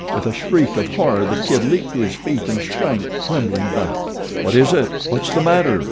With a shriek of horror The Kid leaped to his feet and shrank, trembling, back. "What is it? What's the matter?"